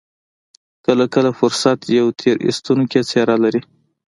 کله کله فرصت يوه تېر ايستونکې څېره لري.